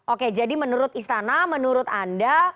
oke jadi menurut istana menurut anda